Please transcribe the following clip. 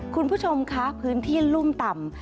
คุณผู้ชมคะพื้นที่รุ่มต่ำ